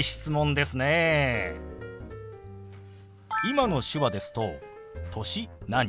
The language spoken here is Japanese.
今の手話ですと「歳何？」